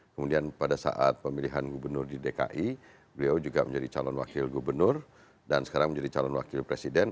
kemudian pada saat pemilihan gubernur di dki beliau juga menjadi calon wakil gubernur dan sekarang menjadi calon wakil presiden